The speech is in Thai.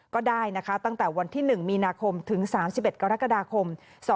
ก็ได้นะคะตั้งแต่วันที่๑มีนาคมถึง๓๑กรกฎาคม๒๕๖